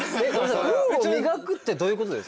運を磨くってどういうことですか？